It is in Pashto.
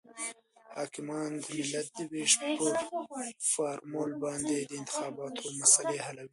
حاکمیان د ملت د وېش پر فارمول باندې د انتخاباتو مسلې حلوي.